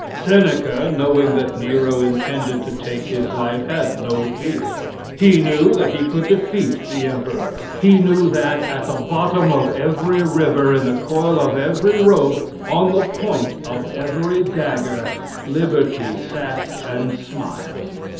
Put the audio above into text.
Seneca, knowing that Nero intended to take his life, had no fear. He knew that he could defeat the Emperor. He knew that "at the bottom of every river, in the coil of every rope, on the point of every dagger, Liberty sat and smiled."